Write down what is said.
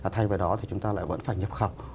thay vào đó thì chúng ta lại vẫn phải nhập khẩu